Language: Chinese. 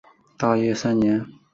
大业三年。